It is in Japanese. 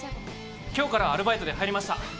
今日からアルバイトで入りました